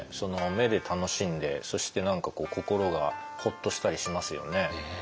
目で楽しんでそして何か心がホッとしたりしますよね。